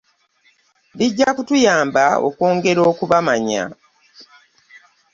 Bijja kutuyamba okwongera okubamanya.